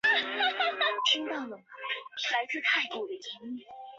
是为纪念宣统元年广东水师提督李准奉命率水师巡视西沙群岛而命名。